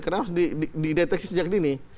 karena harus dideteksi sejak dini